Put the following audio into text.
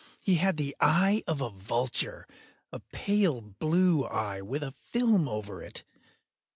He had the eye of a vulture—a pale blue eye, with a film over it.